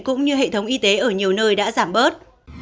cũng như hệ thống y tế ở nhiều nơi đã giảm bớt